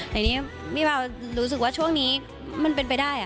แต่นี่พี่เบารู้สึกว่าช่วงนี้มันเป็นไปได้